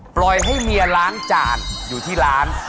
ปล่อยให้เมียล้างจานอยู่ที่ร้าน